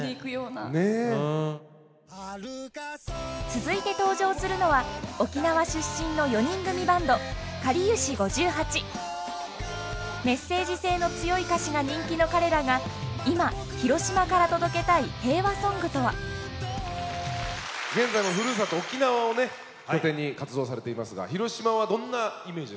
続いて登場するのは沖縄出身の４人組バンドメッセージ性の強い歌詞が人気の彼らが今広島から届けたいへいわソングとは現在もふるさと沖縄をね拠点に活動されていますが広島はどんなイメージですか？